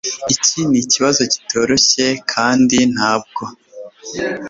Iki nikibazo kitoroshye kandi ntabwo